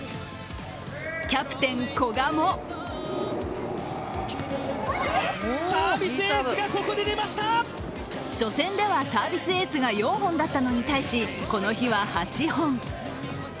キャプテン・古賀も初戦ではサービスエースが４本だったのに対し、この日は８本。